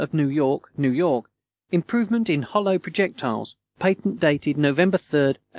of New York, N. Y. Improvement in Hollow Projectiles Patent dated November 3, 1863.